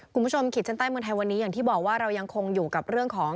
ขีดเส้นใต้เมืองไทยวันนี้อย่างที่บอกว่าเรายังคงอยู่กับเรื่องของ